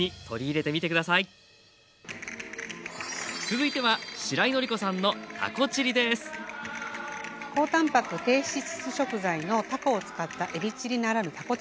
続いてはしらいのりこさんの高たんぱく低脂質食材のたこを使ったえびチリならぬたこ